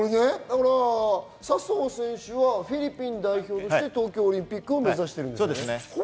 笹生選手はフィリピン代表として東京オリンピックを目指してるんですね。